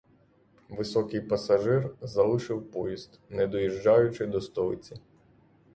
Високий пасажир залишив поїзд, не доїжджаючи до столиці.